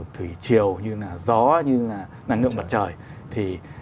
thủy chiều như là gió như là năng lượng mặt trời